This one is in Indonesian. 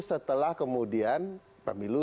setelah kemudian pemilu